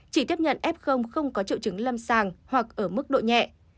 chỉ tiếp nhận f không có triệu chứng lâm sàng hoặc ở mức độ nhẹ